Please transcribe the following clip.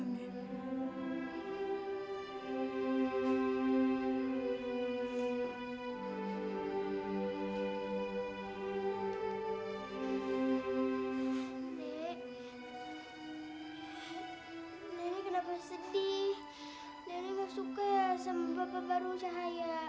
nenek gak suka ya sama bapak baru saya